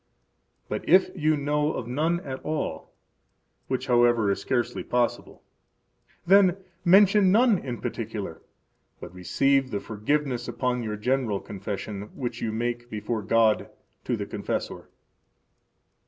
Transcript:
But if you know of none at all (which, however is scarcely possible), then mention none in particular, but receive the forgiveness upon your general confession which you make before God to the confessor.